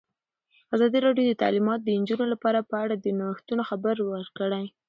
ازادي راډیو د تعلیمات د نجونو لپاره په اړه د نوښتونو خبر ورکړی.